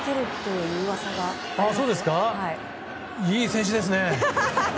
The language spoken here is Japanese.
いい選手ですね！